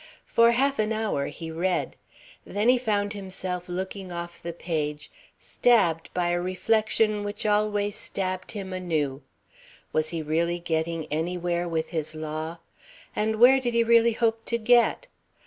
For half an hour he read. Then he found himself looking off the page, stabbed by a reflection which always stabbed him anew: Was he really getting anywhere with his law? And where did he really hope to get?